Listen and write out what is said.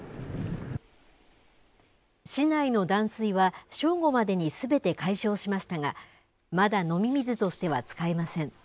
市内の断水は正午までにすべて解消しましたが、まだ飲み水としては使えません。